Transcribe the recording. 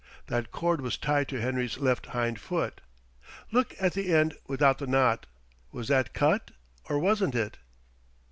That cord was tied to Henry's left hind foot. Look at the end without the knot was that cut or wasn't it?"